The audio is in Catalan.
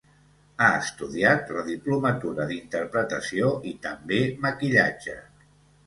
Ha estudiat la diplomatura d'interpretació i també maquillatge.